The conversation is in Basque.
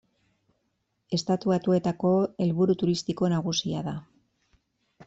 Estatu Batuetako helburu turistiko nagusia da.